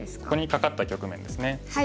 ここにカカった局面ですね。